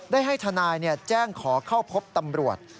ได้ให้ทนายแจ้งขอเข้าพบตำรวจ